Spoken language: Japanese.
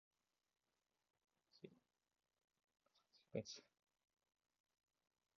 『孟子』「万章・下」より。官職に就かない民間人。在野の人。「草莽」は草むら・田舎。転じて在野・民間をいう。